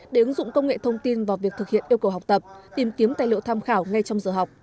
để ứng dụng công nghệ thông tin vào việc thực hiện yêu cầu học tập tìm kiếm tài liệu tham khảo ngay trong giờ học